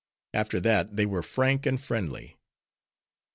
After that, they were frank and friendly.